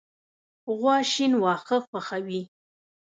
غوا شین واښه خوښوي.